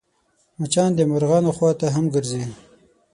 مچان د مرغانو خوا ته هم ګرځي